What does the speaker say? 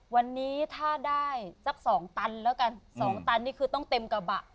วันนี้ถ้าได้สัก๒ตันแล้วกัน๒ตันนี่คือต้องเต็มกระบะ